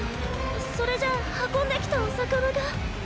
ソレじゃあ運んできたお魚が。